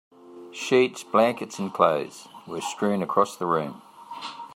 Sheets, blankets, and clothes were strewn across the room.